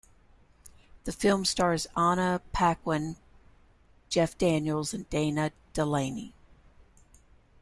The film stars Anna Paquin, Jeff Daniels and Dana Delany.